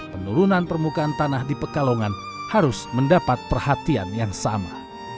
penurunan permukaan tanah di pekalongan harus mendapat perhatian yang sama